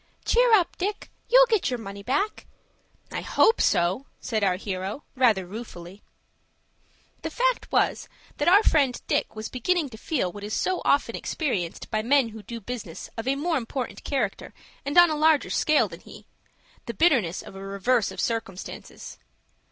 "Cheer up, Dick; you'll get your money back." "I hope so," said our hero, rather ruefully. The fact was, that our friend Dick was beginning to feel what is so often experienced by men who do business of a more important character and on a larger scale than he, the bitterness of a reverse of circumstances.